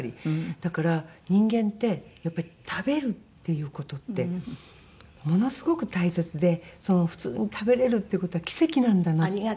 だから人間ってやっぱり食べるっていう事ってものすごく大切で普通に食べれるっていう事は奇跡なんだなって。